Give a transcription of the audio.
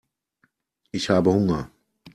Ich habe Hunger.